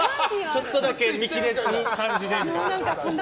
ちょっとだけ見きれる感じでみたいな。